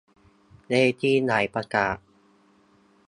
เวทีใหญ่ประกาศ